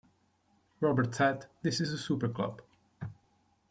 Robert said: This is a super club.